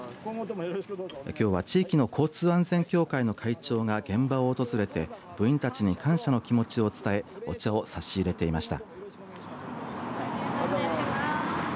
きょうは地域の交通安全協会の会長が現場を訪れて部員たちに感謝の気持ちを伝えお茶を差し入れていました。